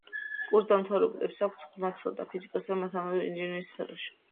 კურსდამთავრებულებს აქვთ ღრმა ცოდნა ფიზიკასა და თანამედროვე ინჟინერიის სფეროში.